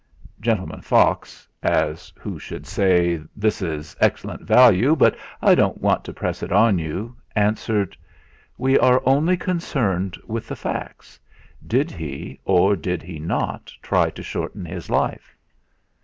Gentleman Fox as who should say 'This is excellent value, but I don't wish to press it on you!' answered: "We are only concerned with the facts. Did he or did he not try to shorten his life?"